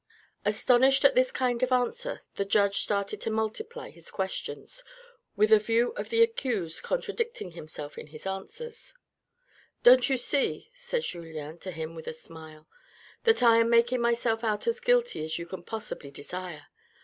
Astonished at this kind of answer, the judge started SAD DETAILS 467 to multiply his questions, with a view of the accused con tradicting himself in his answers. " Don't you see," said Julien to him with a smile, " that I am making myself out as guilty as you can possibly desire